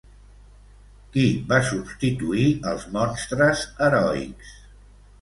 Qui va substituir els monstres heroics?